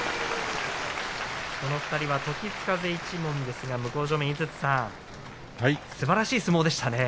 この２人は時津風一門ですが向正面の井筒さんすばらしい相撲でしたね。